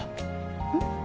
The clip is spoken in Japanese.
うん？